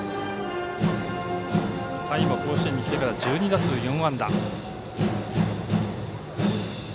田井も甲子園にきてから１２打数４安打。